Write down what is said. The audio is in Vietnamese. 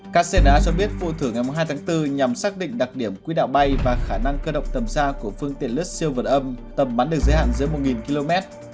kcna cho biết vô thử ngày hai tháng bốn nhằm xác định đặc điểm quy đạo bay và khả năng cơ động tầm xa của phương tiện lứt siêu vật âm tầm bắn được giới hạn giữa một km